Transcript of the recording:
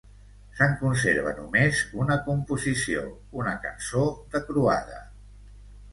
Se'n conserva només una composició: una cançó de croada.